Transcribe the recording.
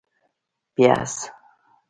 🧅 پیاز